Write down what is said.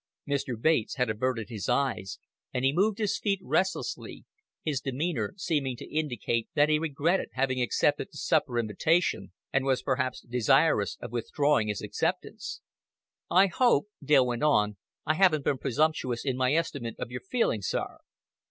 Mr. Bates had averted his eyes, and he moved his feet restlessly, his demeanor seeming to indicate that he regretted having accepted the supper invitation and was perhaps desirous of withdrawing his acceptance. "I hope," Dale went on, "I haven't been presumptuous in my estimate of your feeling, sir."